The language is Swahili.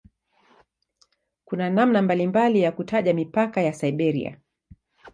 Kuna namna mbalimbali ya kutaja mipaka ya "Siberia".